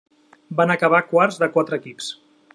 Van acabar quarts de quatre equips.